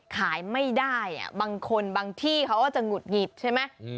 ขายไม่ได้บางคนบางที่เขาก็จะหุดหงิดใช่ไหม